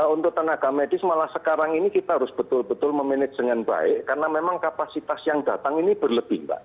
untuk tenaga medis malah sekarang ini kita harus betul betul memanage dengan baik karena memang kapasitas yang datang ini berlebih mbak